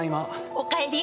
おかえり。